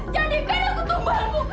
jadikan aku tumbalmu